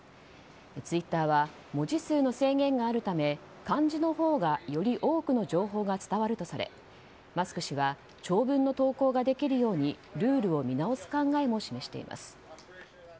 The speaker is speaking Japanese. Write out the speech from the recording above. ツイッターは文字数の制限があるため漢字のほうがより多くの情報が伝わるとされマスク氏は長文の投稿ができるようにルールを見直す考えも示しています。